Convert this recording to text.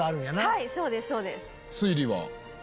はいそうですそうです。